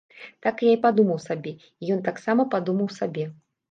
Так я і падумаў сабе, і ён таксама падумаў сабе.